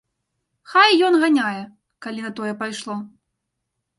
Хай ён ганяе, калі на тое пайшло.